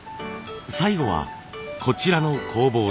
最後はこちらの工房です。